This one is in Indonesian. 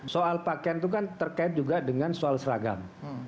soal pakaian itu kan terkait juga dengan soal seragam